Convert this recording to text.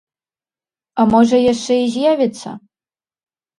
А можа яшчэ і з'явіцца?